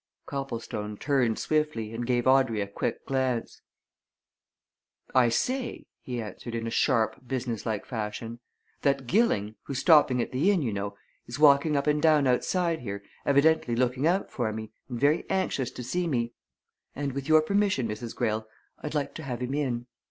Copplestone turned swiftly, and gave Audrey a quick glance. "I say," he answered in a sharp, business like fashion, "that Gilling, who's stopping at the inn, you know, is walking up and down outside here, evidently looking out for me, and very anxious to see me, and with your permission, Mrs. Greyle, I'd like to have him in.